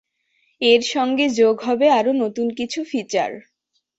এর সঙ্গে যোগ হবে আরও নতুন কিছু ফিচার।